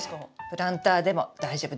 プランターでも大丈夫。